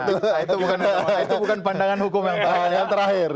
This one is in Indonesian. itu bukan pandangan hukum yang terakhir